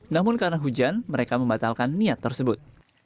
namun karena hujan mereka membatalkan niat tersebut